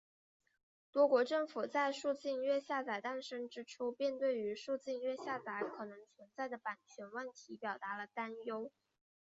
多国政府在数字音乐下载诞生之初便对于数字音乐下载可能存在的版权问题表达了担忧。